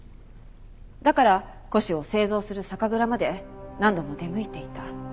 だから古酒を製造する酒蔵まで何度も出向いていた。